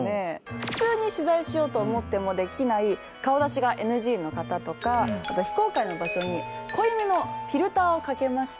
普通に取材しようと思ってもできない顔出しがＮＧの方とかあと非公開の場所に濃いめのフィルターをかけまして。